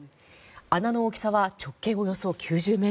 穴の大きさは直径およそ９０ｍ。